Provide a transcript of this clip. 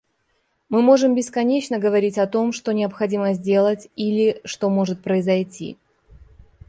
Мы можем бесконечно говорить о том, «что необходимо сделать» или «что может произойти».